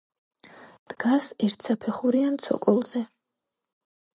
დგას ერთსაფეხურიან ცოკოლზე.